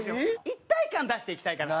一体感出していきたいから。